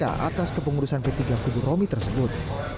atas kepengurusan p tiga kubu romi tersebut